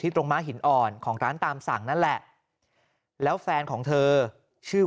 ตรงม้าหินอ่อนของร้านตามสั่งนั่นแหละแล้วแฟนของเธอชื่อ